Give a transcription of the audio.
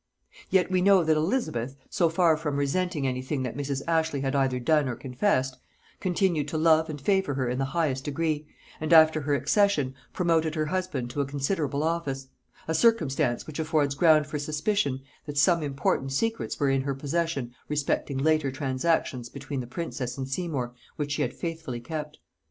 Yet we know that Elizabeth, so far from resenting any thing that Mrs. Ashley had either done or confessed, continued to love and favor her in the highest degree, and after her accession promoted her husband to a considerable office: a circumstance which affords ground for suspicion that some important secrets were in her possession respecting later transactions between the princess and Seymour which she had faithfully kept.